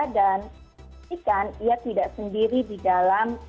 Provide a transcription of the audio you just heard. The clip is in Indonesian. dan jika dia tidak sendiri di dalam